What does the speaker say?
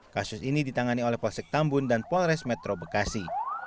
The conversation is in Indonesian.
kasus ini ditangani oleh polsek tambun dan polres metro bekasi